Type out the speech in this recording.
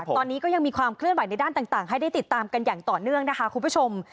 ตอนนี้ก็ยังมีความเคลื่อนไหวในด้านต่างให้ได้ติดตามกันอย่างต่อเนื่องนะคะคุณผู้ชม